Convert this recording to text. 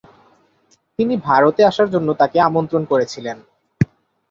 তিনি ভারতে আসার জন্য তাকে আমন্ত্রণ করেছিলেন।